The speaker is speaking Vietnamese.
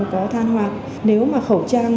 có than hoạt nếu mà khẩu trang